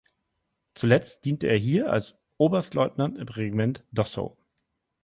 Zuletzt diente er hier als Oberstleutnant im Regiment Dossow.